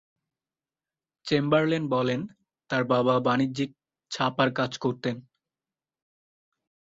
Chamberlain বলেন, তাঁর বাবা বাণিজ্যিক ছাপার কাজ করতেন।